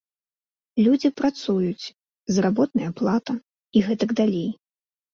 Людзі працуюць, заработная плата, і гэтак далей.